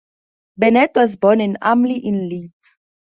Bennett was born in Armley in Leeds.